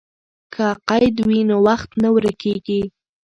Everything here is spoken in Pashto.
که قید وي نو وخت نه ورکېږي.